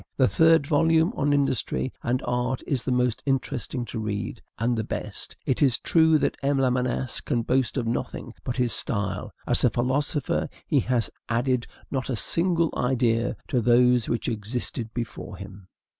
The third volume on industry and art is the most interesting to read, and the best. It is true that M. Lamennais can boast of nothing but his style. As a philosopher, he has added not a single idea to those which existed before him.